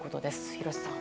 廣瀬さん。